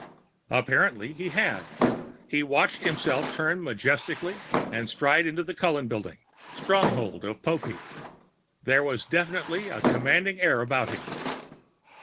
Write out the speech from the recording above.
_ Apparently he had. He watched himself turn majestically and stride into the Cullen Building, stronghold of Popeek. There was definitely a commanding air about him.